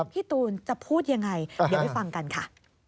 พี่ตูนจะพูดยังไงเดี๋ยวไปฟังกันค่ะ